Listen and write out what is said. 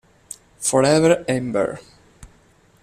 Forever Amber